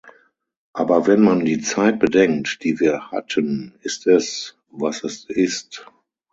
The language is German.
Aber wenn man die Zeit bedenkt, die wir hatten, ist es, was es ist.